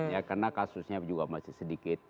ya karena kasusnya juga masih sedikit